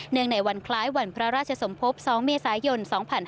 ในวันคล้ายวันพระราชสมภพ๒เมษายน๒๕๕๙